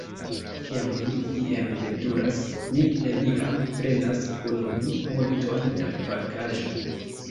Kiam mi ien veturas, mi neniam prenas kun mi multon da pakaĵo.